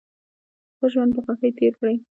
خپل ژوند په خوښۍ تیر کړئ